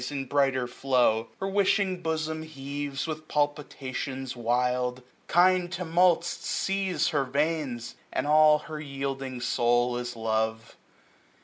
In brighter flow j her wishing bosom heaves, 965 With palpitations wild ; kind tumults seize Her veins, and all her yielding soul is love.